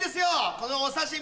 このお刺し身。